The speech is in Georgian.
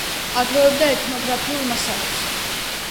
აგროვებდა ეთნოგრაფიულ მასალებს.